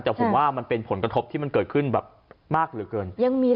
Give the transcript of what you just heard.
แต่ผมว่ามันเป็นผลกระทบที่มันเกิดขึ้นแบบมากเหลือเกิน